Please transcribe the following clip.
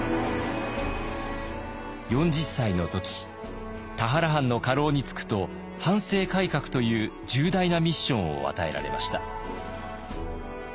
４０歳の時田原藩の家老に就くと藩政改革という重大なミッションを与えられました。